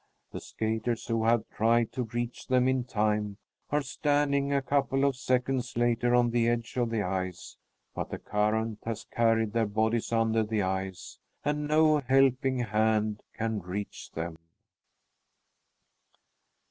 The skaters, who have tried to reach them in time, are standing a couple of seconds later on the edge of the ice, but the current has carried their bodies under the ice, and no helping hand can reach them.